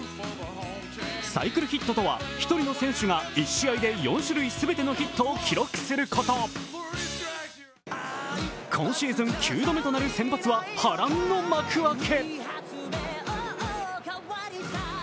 サイクルヒットとは１人の選手が１試合で４種類全てのヒットを記録すること今シーズン９度目となる先発は波乱の幕開け。